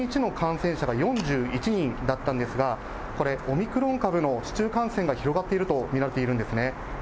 きのう一日の感染者が４１人だったんですが、これ、オミクロン株の市中感染が広がっていると見られているんですね。